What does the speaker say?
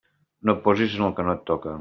No et posis en el que no et toca.